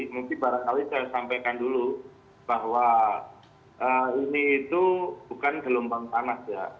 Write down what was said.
mungkin barangkali saya sampaikan dulu bahwa ini itu bukan gelombang panas ya